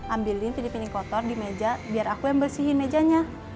ambilin pidi pining kotor di meja biar aku yang bersihin mejanya